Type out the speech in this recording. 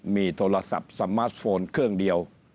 มีโทรศัพท์สมาร์ทโฟนเครื่องเดียว